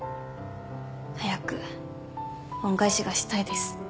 早く恩返しがしたいです。